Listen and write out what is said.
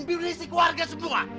bilisi keluarga semua